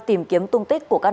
tìm kiếm tung tích của các nạn